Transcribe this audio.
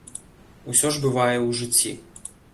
Усё ж бывае ў жыцці.